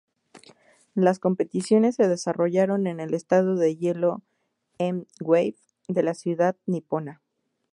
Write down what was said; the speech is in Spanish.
Las competiciones se desarrollaron en el estadio de hielo M-Wave de la ciudad nipona.